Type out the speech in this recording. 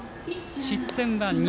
失点は２。